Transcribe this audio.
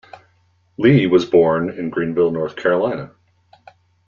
Lee was born in Greenville, North Carolina.